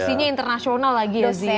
musisinya internasional lagi ya zizi